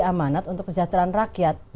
amanat untuk kesejahteraan rakyat